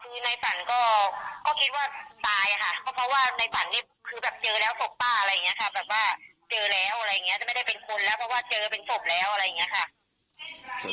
คือนายฝันก็คิดว่าตายค่ะเพราะว่านายฝันนี่คือแบบเจอแล้วศพป้าอะไรอย่างนี้ค่ะ